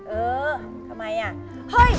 เออทำไมอ่ะเฮ้ย